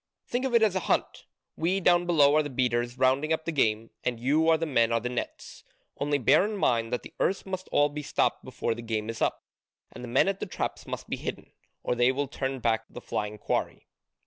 Think of it as a hunt: we down below are the beaters rounding up the game, and you are the men at the nets: only bear in mind that the earths must all be stopped before the game is up, and the men at the traps must be hidden, or they will turn back the flying quarry.